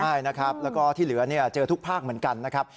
ใช่นะครับแล้วก็ที่เหลือเจอทุกภาคเหมือนกันนะครับ